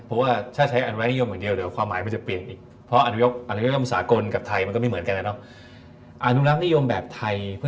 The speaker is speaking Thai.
เพราะว่าถ้าใช้อนุยักษ์นิยมเหมือนเดียว